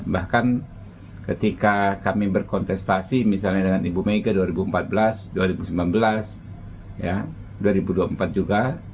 bahkan ketika kami berkontestasi misalnya dengan ibu mega dua ribu empat belas dua ribu sembilan belas dua ribu dua puluh empat juga